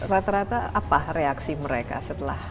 rata rata apa reaksi mereka setelah